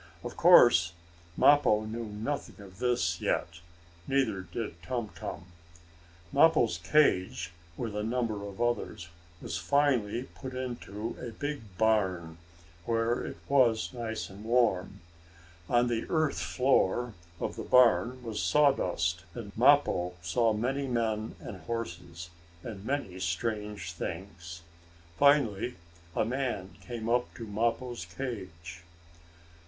Of course, Mappo knew nothing of this yet. Neither did Tum Tum. Mappo's cage, with a number of others, was finally put into a big barn, where it was nice and warm. On the earth floor of the barn was sawdust, and Mappo saw many men and horses, and many strange things. Finally a man came up to Mappo's cage.